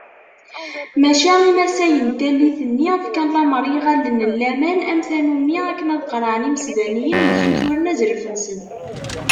Maca imasayen n tallit-nni, fkan lamer i yiɣallen n laman am tannumi akken ad qerɛen imesbaniyen yessuturen azref-nsen.